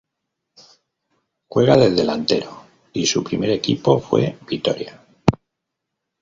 Juega de delantero y su primer equipo fue Vitória.